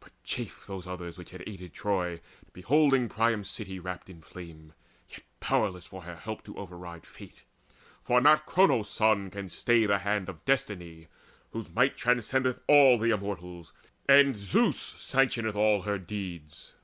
But chafed those others which had aided Troy, Beholding Priam's city wrapped in flame, Yet powerless for her help to override Fate; for not Cronos' Son can stay the hand Of Destiny, whose might transcendeth all The Immortals, and Zeus sanctioneth all her deeds.